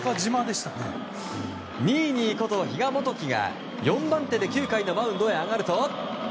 ニーニーこと比嘉幹貴が４番手で９回のマウンドへ上がると。